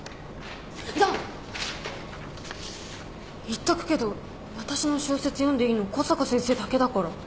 言っとくけど私の小説読んでいいの小坂先生だけだから。